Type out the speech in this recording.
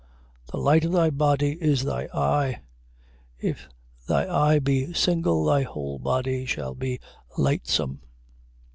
6:22. The light of thy body is thy eye. If thy eye be single, thy whole body shall be lightsome.